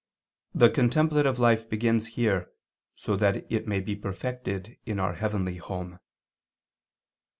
"the contemplative life begins here so that it may be perfected in our heavenly home."